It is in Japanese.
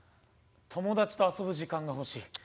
友達と遊ぶ時間が欲しい。